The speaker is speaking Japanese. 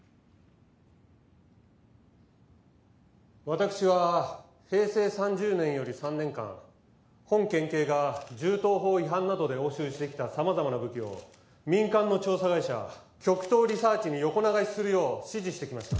私は平成３０年より３年間本県警が銃刀法違反などで押収してきたさまざまな武器を民間の調査会社極東リサーチに横流しするよう指示してきました。